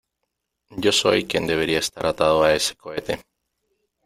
Yo soy quien debería estar atado a ese cohete .